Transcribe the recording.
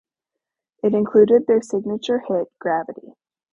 It included their signature hit Gravity.